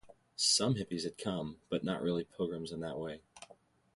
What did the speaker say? Some hippies had come, but not really pilgrims in that way.